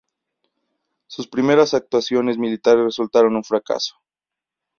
Sus primeras actuaciones militares resultaron un fracaso.